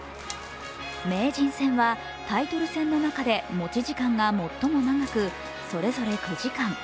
名人戦はタイトル戦の中で持ち時間が最も長く、それぞれ９時間。